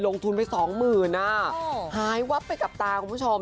ลงทุนไปสองหมื่นหายวับไปกับตาคุณผู้ชม